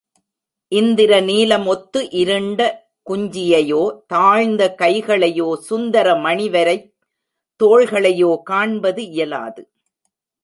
இந்திர நீலம் ஒத்து இருண்ட குஞ்சியையோ, தாழ்ந்த கைகளையோ, சுந்தர மணிவரைத் தோள்களையோ காண்பது இயலாது.